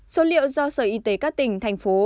số liệu do sở y tế các tỉnh thành phố